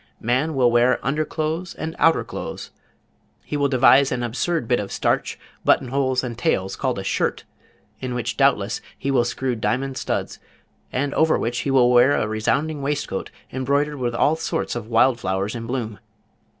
Man will wear under clothes and outer clothes. He will devise an absurd bit of starch, button holes and tails called a shirt, in which doubtless he will screw diamond studs, and over which he will wear a resounding waistcoat embroidered with all sorts of wild flowers in bloom.